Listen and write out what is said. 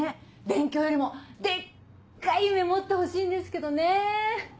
勉強よりもデッカい夢持ってほしいんですけどねぇ。